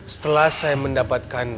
setelah saya mendapatkan